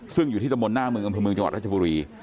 ซึ่งอยู่ที่ตำบลหน้าเมืองอำเภอเมืองจังหวัดรัชบุรี